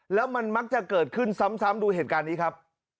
เดี๋ยวจะเกิดขึ้นซ้ำดูเหตุการณ์นี้ครับ